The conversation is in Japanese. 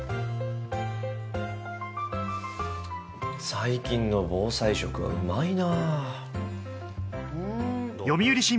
最近の防災食はうまいな。